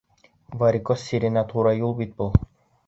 Варикоз сиренә тура юл бит был.